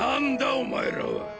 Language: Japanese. お前らは。